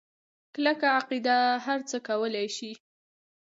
کلکه عقیده هرڅه کولی شي.